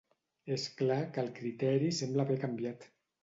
És clar que el criteri sembla haver canviat.